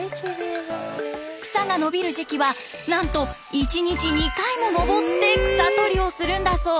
草が伸びる時期はなんと１日２回も登って草取りをするんだそう。